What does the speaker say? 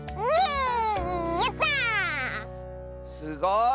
すごい！